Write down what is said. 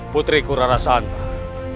putriku rara santang